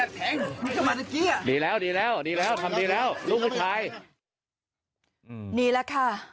ดีแล้วดีแล้วดีแล้วดีแล้วทำดีแล้วลูกผู้ชายอืมนี่แหละค่ะ